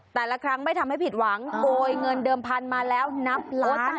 แต่ละครั้งไม่ทำให้ผิดหวังโกยเงินเดิมพันธุ์มาแล้วนับล้าน